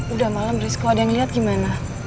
udah malem riz kok ada yang liat gimana